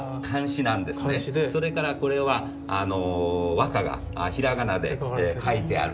それからこれは和歌が平仮名で書いてある。